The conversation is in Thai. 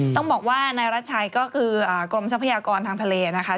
ต้องบอกว่านายรัชชัยก็คือกรมทรัพยากรทางทะเลนะคะ